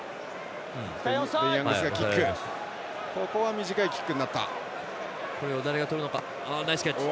短いキックになった。